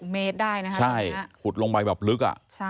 ๖เมตรได้นะครับอย่างนี้นะครับใช่ขุดลงไปแบบลึก